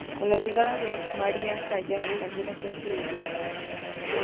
Con la llegada de Maria Callas cambió la suerte del "bel canto".